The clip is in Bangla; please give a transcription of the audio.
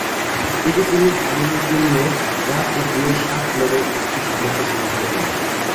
এতে তিনি হ্যামিলটনীয় গ্রাফ জাতীয় সাত-নোডের একটি সমস্যার সমাধান করেন।